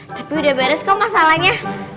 tapi udah beres kok masalahnya